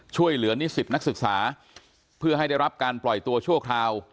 ช่วยเหลือนิสิปนักศึกษาเพื่อให้ได้รับการปล่อยตัวช่วงคราว